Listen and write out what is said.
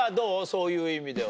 そういう意味では。